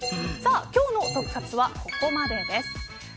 今日のトク活はここまでです。